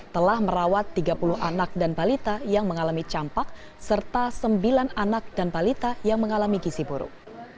telah merawat tiga puluh anak dan balita yang mengalami campak serta sembilan anak dan balita yang mengalami gisi buruk